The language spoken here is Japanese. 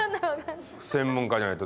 専門家じゃないと。